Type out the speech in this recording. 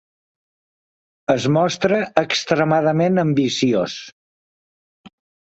Es mostra extremadament ambiciós.